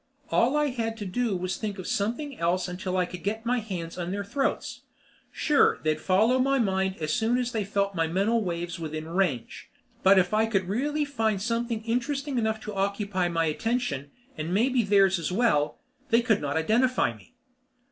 All I had to do was to think of something else until I could get my hands on their throats. Sure, they'd follow my mind as soon as they felt my mental waves within range, but if I could really find something interesting enough to occupy my attention and maybe theirs as well they could not identify me.